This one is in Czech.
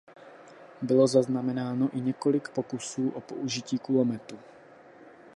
Bylo zaznamenáno i několik pokusů o použití kulometu.